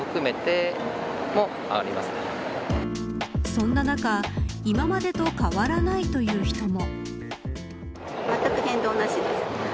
そんな中今までと変わらないという人も。